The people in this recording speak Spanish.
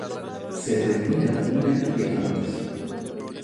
Se les denomina comúnmente diamantes.